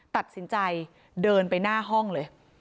ตัดสินใจเดินไปหน้าห้องเลย